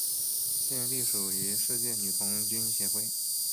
现隶属于世界女童军协会。